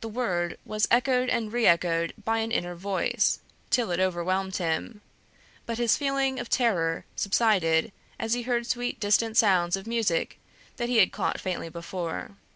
The word was echoed and reëchoed by an inner voice, till it overwhelmed him; but his feeling of terror subsided as he heard sweet distant sounds of music that he had caught faintly before.